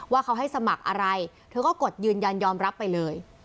ว่าเขาให้สมัครอะไรเธอก็กดยืนยันยอมรับไปเลย